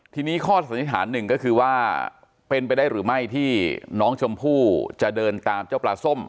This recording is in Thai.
ทีนี้ข้อสันนิษฐานหนึ่งก็คือว่าเป็นไปได้หรือไม่ที่น้องชมพู่จะเดินตามเจ้าปลาส้ม